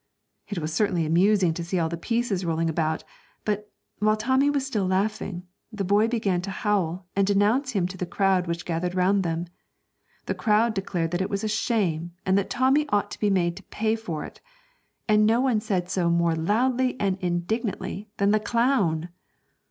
It was certainly amusing to see all the pieces rolling about; but, while Tommy was still laughing, the boy began to howl and denounce him to the crowd which gathered round them. The crowd declared that it was a shame, and that Tommy ought to be made to pay for it; and no one said so more loudly and indignantly than the clown!